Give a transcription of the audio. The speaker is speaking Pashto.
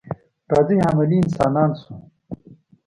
راځئ عملي انسانان شو.